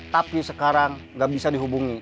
tapi sekarang nggak bisa dihubungi